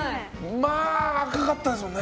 まあ赤かったですもんね。